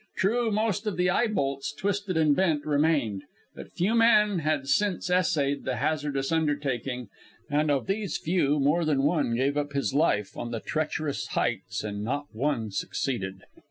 True, most of the eye bolts, twisted and bent, remained. But few men had since essayed the hazardous undertaking, and of those few more than one gave up his life on the treacherous heights, and not one succeeded.